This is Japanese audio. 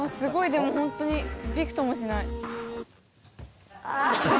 でもホントにびくともしない。